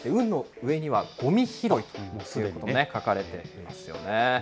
運の上にはごみ拾いというふうに書かれていますよね。